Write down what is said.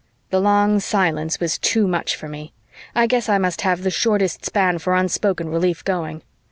The long silence was too much for me; I guess I must have the shortest span for unspoken relief going.